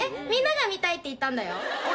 みんなが見たいって言ったんだよ。